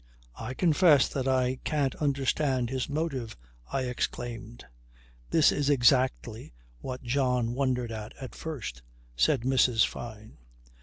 "I confess that I can't understand his motive," I exclaimed. "This is exactly what John wondered at, at first," said Mrs. Fyne.